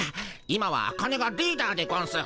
今はアカネがリーダーでゴンス。